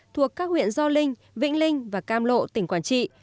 thuộc các huyện do linh vĩnh linh và cam lộ tỉnh quảng trị